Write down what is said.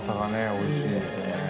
おいしいですね。